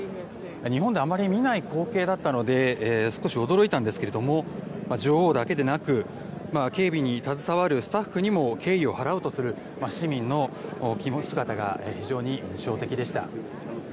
日本ではあまり見ない光景だったので少し驚いたんですけれども女王だけでなく警備に携わるスタッフにも敬意を払おうとする市民の姿が印象的でした。